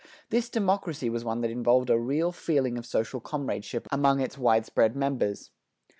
This democracy was one that involved a real feeling of social comradeship among its widespread members.